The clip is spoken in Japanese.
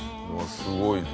すごいね。